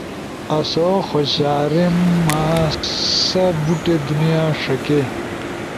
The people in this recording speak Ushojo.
آسو خوشاریم سا بوٹے دنیا ݜکے۔